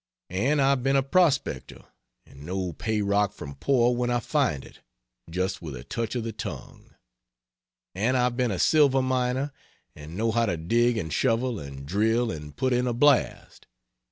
And I've been a prospector, and know pay rock from poor when I find it just with a touch of the tongue. And I've been a silver miner and know how to dig and shovel and drill and put in a blast.